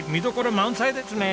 満載ですね。